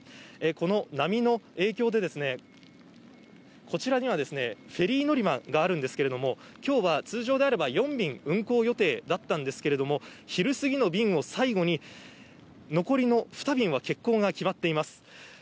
この波の影響で、こちらにはフェリー乗り場があるんですけれども、きょうは通常であれば４便運航予定だったんですけれども、昼過ぎの便を最後に、残りの２便は欠航が決まっています。